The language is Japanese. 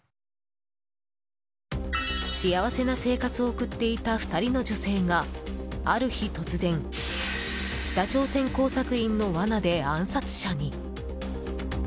幸せな生活を送っていた２人の女性がある日突然北朝鮮工作員のわなで暗殺者に。